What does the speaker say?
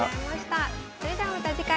それではまた次回。